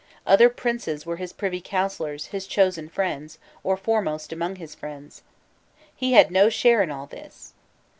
Other princes were his privy counsellers, his chosen friends, or foremost among his friends!" he had no share in all this.